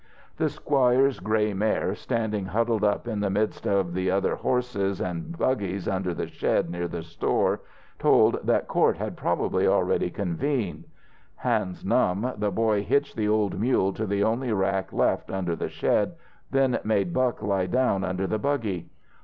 The squire's gray mare, standing huddled up in the midst of other horses and of buggies under the shed near the store, told that court had probably already convened. Hands numb, the boy hitched the old mule to the only rack left under the shed, then made Buck lie down under the buggy.